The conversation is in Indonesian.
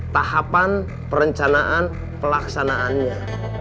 tahapan perencanaan pelaksanaannya